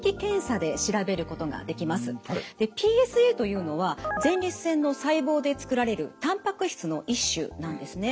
ＰＳＡというのは前立腺の細胞で作られるたんぱく質の一種なんですね。